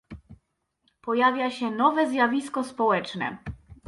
Pojawia się nowe zjawisko społeczne